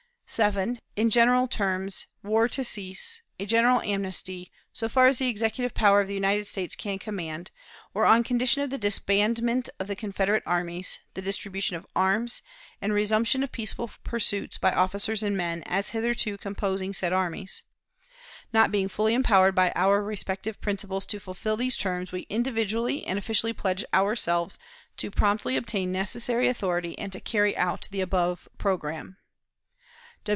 "7. In general terms, war to cease, a general amnesty, so far as the Executive power of the United States can command, or on condition of the disbandment of the Confederate armies, the distribution of arms, and resumption of peaceful pursuits by officers and men, as hitherto composing said armies. Not being fully empowered by our respective principals to fulfill these terms, we individually and officially pledge ourselves to promptly obtain necessary authority, and to carry out the above programme.